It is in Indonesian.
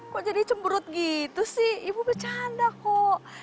kok jadi cemberut gitu sih ibu bercanda kok